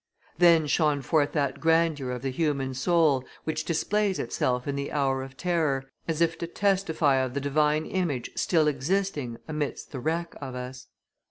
Then shone forth that grandeur of the human soul, which displays itself in the hour of terror, as if to testify of the divine image still existing amidst the wreck of us.